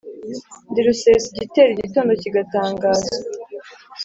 ndi rusesa igitero igitondo kigatangaza.